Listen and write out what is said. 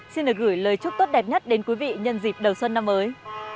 xin được gửi lời chúc tốt đẹp nhất đến quý vị nhân dịp đầu xuân năm mới